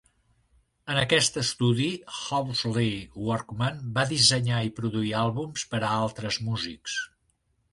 En aquest estudi, Hawksley Workman va dissenyar i produir àlbums per a altres músics.